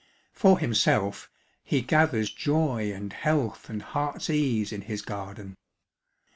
For himself, he gathers joy and health and heart's ease in his garden.